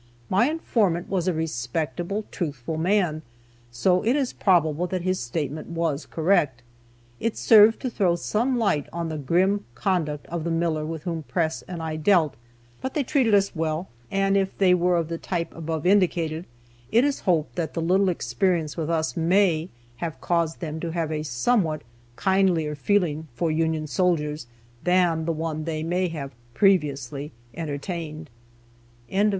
My informant was a respectable, truthful man, so it is probable that his statement was correct. It served to throw some light on the grim conduct of the miller with whom Press and I dealt. But they treated us well, and if they were of the type above indicated, it is hoped that the little experience with us may have caused them to have a somewhat kindlier feeling for Union soldiers than the one they may have previously entertained.